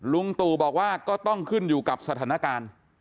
ลุงตู่บอกว่าก็ต้องขึ้นอยู่กับสถานการณ์